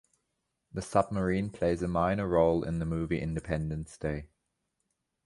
The submarine plays a minor role in the movie Independence Day.